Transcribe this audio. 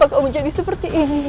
aku akan menang